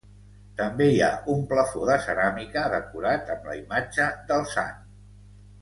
També hi ha un plafó de ceràmica decorat amb la imatge del sant.